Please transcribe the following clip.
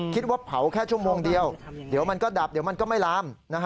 คิดว่าเผาแค่ชั่วโมงเดียวเดี๋ยวมันก็ดับเดี๋ยวมันก็ไม่ลาม